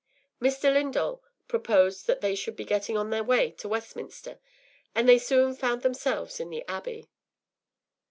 Mr. Lindall proposed that they should be getting on their way to Westminster, and they soon found themselves in the abbey.